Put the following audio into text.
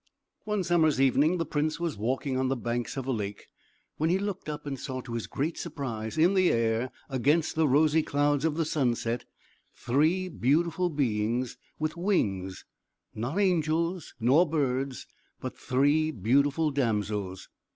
One summer's evening the prince was walking on the banks of a lake, when he looked up, and saw to his great surprise, in the air, against the rosy clouds of the sunset, three beautiful beings with wings not angels, nor birds but three beautiful damsels.